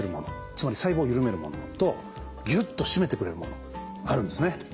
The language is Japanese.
つまり細胞を緩めるものとギュッと締めてくれるものあるんですね。